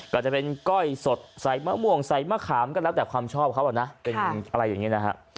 ก็จะเป็นก้อยสดใส่มะม่วงใส่มะขามก็แล้วแต่ความชอบเขาอ่ะนะเป็นอะไรอย่างนี้นะฮะ